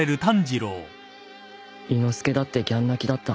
伊之助だってギャン泣きだった